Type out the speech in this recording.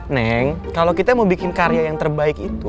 neng kalau kita mau bikin karya yang terbaik itu